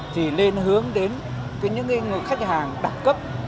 thì lên hướng đến những người khách hàng đẳng cấp